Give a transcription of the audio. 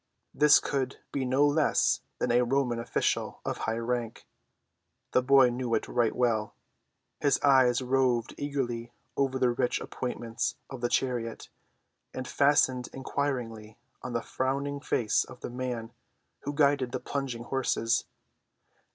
This could be no less than a Roman official of high rank; the boy knew it right well; his eyes roved eagerly over the rich appointments of the chariot, and fastened inquiringly on the frowning face of the man who guided the plunging horses.